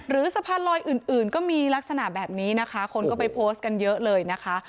สะพานลอยอื่นก็มีลักษณะแบบนี้นะคะคนก็ไปโพสต์กันเยอะเลยนะคะ